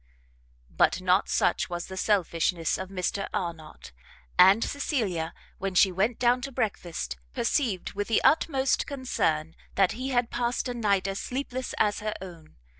But not such was the selfishness of Mr Arnott; and Cecilia, when she went down to breakfast, perceived with the utmost concern that he had passed a night as sleepless as her own.